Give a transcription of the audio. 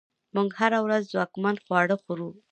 موږ هره ورځ ځواکمن خواړه خورو.